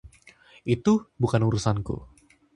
Itu bukan urusanku.